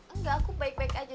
enggak aku baik baik aja